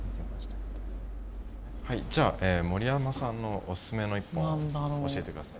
はいじゃあ森山さんのおすすめの１本を教えて下さい。